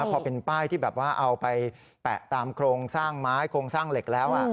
พอเป็นป้ายที่แบบว่าเอาไปแปะตามโครงสร้างไม้โครงสร้างเหล็กแล้ว